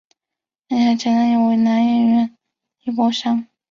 安苡爱前男友为男演员李博翔。